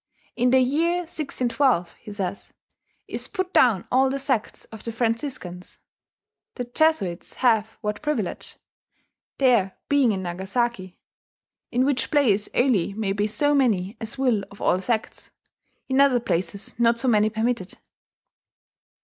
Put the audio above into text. "In the yeer 1612," he says, "is put downe all the sects of the Franciscannes. The Jesouets hau what priuiledge ... theare beinge in Nangasaki, in which place only may be so manny as will of all sectes: in other places not so many permitted...."